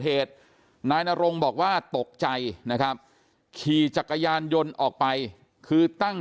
เหตุนายนรงบอกว่าตกใจนะครับขี่จักรยานยนต์ออกไปคือตั้ง